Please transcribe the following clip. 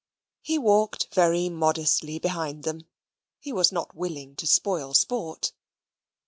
He walked very modestly behind them. He was not willing to spoil sport.